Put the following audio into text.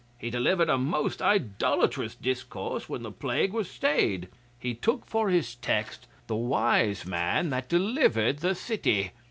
He delivered a most idolatrous discourse when the plague was stayed. He took for his text: "The wise man that delivered the city."